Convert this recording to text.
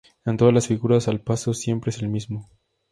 En todas las figuras el paso siempre es el mismo.